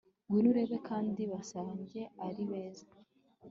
Ngwino urebe kandi basange ari beza